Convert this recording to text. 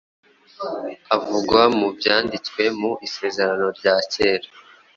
avugwa mu Byanditswe mu Isezerano rya Kera